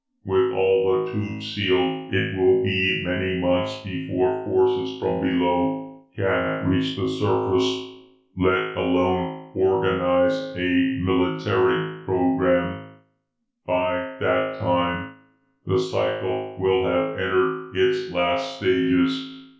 With all the Tubes sealed, it will be many months before forces from below can reach the surface, let alone organize a military program. By that time the cycle will have entered its last stages.